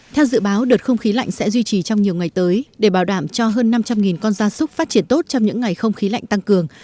theo dự báo đợt không khí lạnh sẽ duy trì trong nhiều ngày tới để bảo đảm cho hơn năm trăm linh con gia súc phát triển tốt trong những ngày không khí lạnh tăng cường